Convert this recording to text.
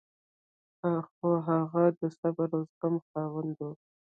خو هغه د صبر او زغم خاوند و.